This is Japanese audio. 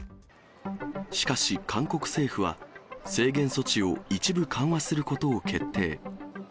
しかし、韓国政府は、制限措置を一部緩和することを決定。